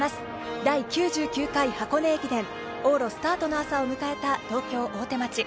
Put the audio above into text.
第９９回箱根駅伝、往路スタートの朝を迎えた東京・大手町。